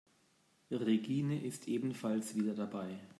Regine ist ebenfalls wieder dabei.